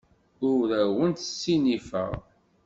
Ur awent-ssinifeɣ.